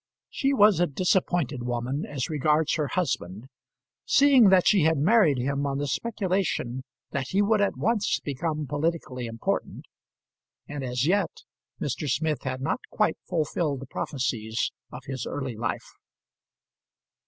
She was a disappointed woman, as regards her husband; seeing that she had married him on the speculation that he would at once become politically important; and as yet Mr. Smith had not quite fulfilled the prophecies of his early life.